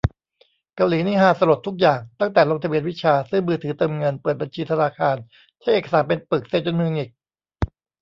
เกาหลีนี่ฮาสลดทุกอย่าง ตั้งแต่ลงทะเบียนวิชา ซื้อมือถือเติมเงิน เปิดบัญชีธนาคาร ใช้เอกสารเป็นปึก เซ็นจนมือหงิก